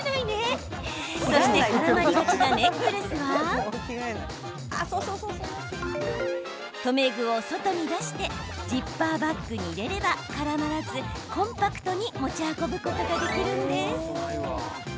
そして絡まりがちなネックレスは留め具を外に出してジッパーバッグに入れれば絡まらず、コンパクトに持ち運ぶことができるんです。